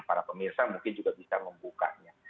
para pemirsa mungkin juga bisa membukanya